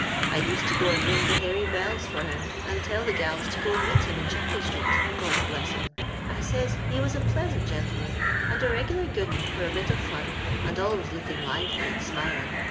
I used to go and ring the hairy bells for him, and tell the gals to go and meet him in Chapel street, God bless him! I says, ho was a pleasant gentleman, and a regular good 'un for a bit of fun, and always looking lively and smiling.